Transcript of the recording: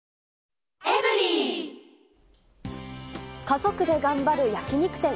家族で頑張る焼き肉店。